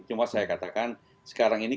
cuma saya katakan sekarang ini